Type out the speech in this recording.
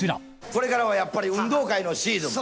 これからはやっぱり運動会のシーズン。